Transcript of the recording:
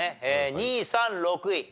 ２３６位。